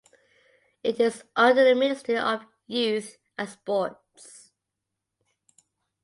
It is under the Ministry of Youth and Sports.